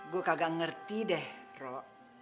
gue kagak ngerti deh ro